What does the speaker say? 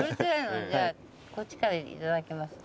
じゃあこっちからいただきます。